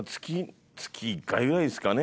月１回ぐらいですかね。